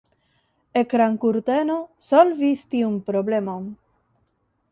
Ekrankurteno solvis tiun problemon.